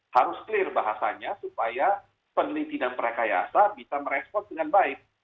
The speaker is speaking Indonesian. harus clear bahasanya supaya peneliti dan prekayasa bisa merespon dengan baik